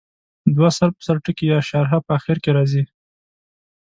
دوه سر په سر ټکي یا شارحه په اخر کې راځي.